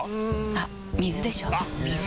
あっ水でしょ！